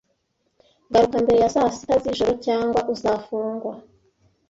Garuka mbere ya saa sita z'ijoro, cyangwa uzafungwa.